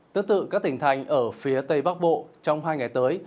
tương tự các tỉnh thành ở phía tây bắc bộ trong hai ngày tới